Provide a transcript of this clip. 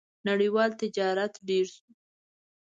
• نړیوال تجارت ډېر شو.